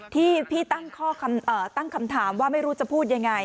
ที่พี่ตั้งคำถามว่าไม่รู้จะพูดยังไง